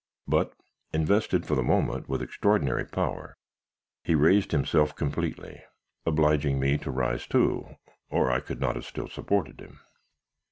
But, invested for the moment with extraordinary power, he raised himself completely: obliging me to rise too, or I could not have still supported him.